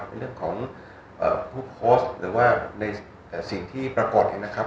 ในเรื่องของผู้โพสต์หรือว่าในสิ่งที่ปรากฏนะครับ